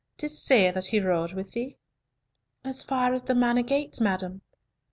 Didst say that he rode with thee?" "As far as the Manor gates, madam."